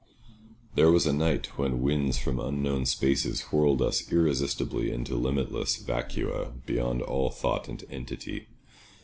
There was a night when winds from unknown spaces whirled us irresistibly into limitless vacua beyond all thought and entity.